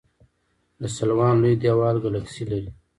د سلوان لوی دیوال ګلکسي لري.